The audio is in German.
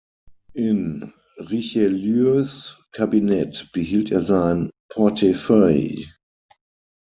In Richelieus Kabinett behielt er sein Portefeuille.